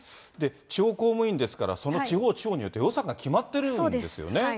地方公務員ですから、その地方地方によって予算が決まってるんですよね。